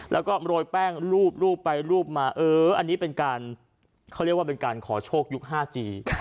แล้วก็โรยแป้งรูปไปรูปมาเอออันนี้เป็นการเขาเรียกว่าเป็นการขอโชคยุค๕จี